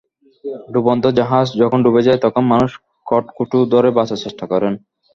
ডুবন্ত জাহাজ যখন ডুবে যায়, তখন মানুষ খড়কুটো ধরে বাঁচার চেষ্টা করেন।